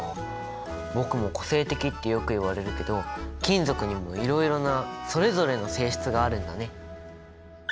僕も個性的ってよく言われるけど金属にもいろいろなそれぞれの性質があるんだね。